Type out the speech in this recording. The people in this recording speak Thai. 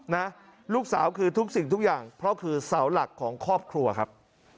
นะลูกสาวคือทุกสิ่งทุกอย่างเพราะคือเสาหลักของครอบครัวครับ